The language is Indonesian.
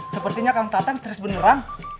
sepertinya kang tatang stres beneran